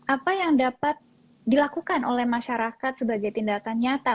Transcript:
apa yang dapat dilakukan oleh masyarakat sebagai tindakan nyata